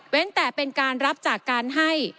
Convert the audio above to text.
แต่เป็นการรับจากการให้